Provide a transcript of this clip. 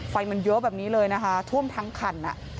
ไฟมันเยอะแบบนี้เลยนะคะท่วมทั้งคัน